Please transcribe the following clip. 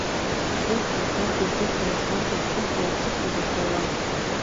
Ӡыхы уҳәаргьы, ӡыха уҳәаргьы, цыҳауп зыхьыӡ уҳәауа.